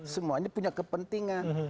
semuanya punya kepentingan